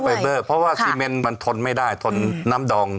เบอร์เพราะว่าซีเมนมันทนไม่ได้ทนน้ำดอง